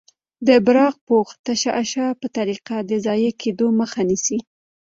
د براق پوښ تشعشع په طریقه د ضایع کیدو مخه نیسي.